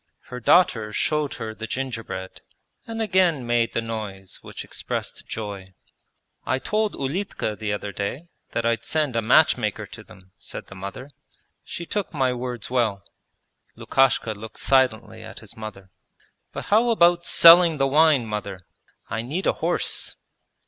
Her daughter showed her the gingerbread and again made the noise which expressed joy. 'I told Ulitka the other day that I'd send a matchmaker to them,' said the mother. 'She took my words well.' Lukashka looked silently at his mother. 'But how about selling the wine, mother? I need a horse.'